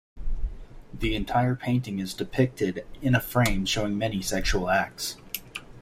The entire painting is depicted in a frame showing many sexual acts.